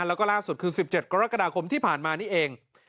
แล้วก็ล่าสุดคือ๑๗กรกฎาคมที่ผ่านมานี่เอง